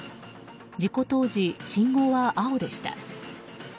事故当時、信号は青でした。